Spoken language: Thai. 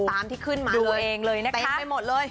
ตามที่ขึ้นมาเลยแต่ยังไม่หมดเลย